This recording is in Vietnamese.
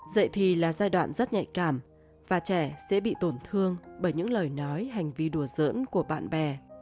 dạy thì là giai đoạn rất nhạy cảm và trẻ sẽ bị tổn thương bởi những lời nói hành vi đùa dỡn của bạn bè